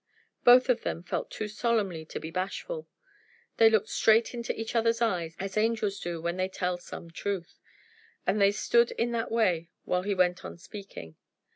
Both of them felt too solemnly to be bashful. They looked straight into each other's eyes, as angels do when they tell some truth. And they stood in that way while he went on speaking.